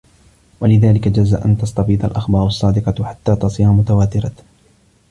وَلِذَلِكَ جَازَ أَنْ تَسْتَفِيضَ الْأَخْبَارُ الصَّادِقَةُ حَتَّى تَصِيرَ مُتَوَاتِرَةً